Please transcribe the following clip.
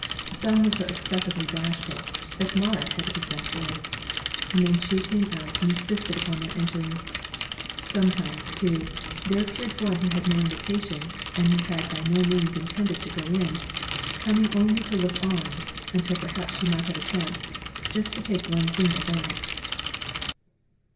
Some were so excessively bashful that Marit had to be sent for, and then she came out and insisted upon their entering. Sometimes, too, there appeared one who had had no invitation and who had by no means intended to go in, coming only to look on, until perhaps she might have a chance just to take one single dance.